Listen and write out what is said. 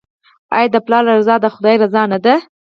آیا د پلار رضا د خدای رضا نه ده؟